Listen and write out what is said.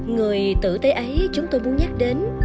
người tự tế ấy chúng tôi muốn nhắc đến